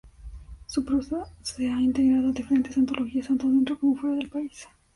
Su prosa se ha integrado a diferentes antologías tanto dentro como fuera del país.